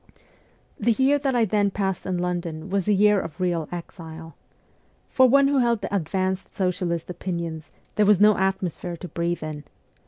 The year that I then passed in London was a year of real exile. For one who held advanced socialist opinions, there was no atmosphere to breathe in.